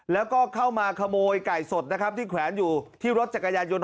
แล้วก็เข้ามาขโมยไก่สดนะครับที่แขวนอยู่ที่รถจักรยานยนต